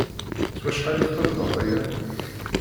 S wacḥal i txeddmeḍ aya?